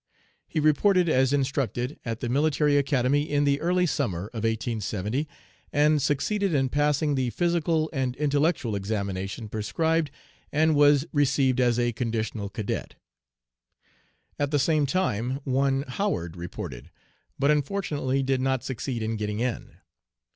He reported, as instructed, at the Military Academy in the early summer of 1870, and succeeded in passing the physical and intellectual examination prescribed, and was received as a "conditional cadet." At the same time one Howard reported, but unfortunately did not succeed in "getting in."